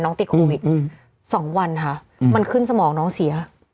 ติดโควิด๒วันค่ะมันขึ้นสมองน้องเสีย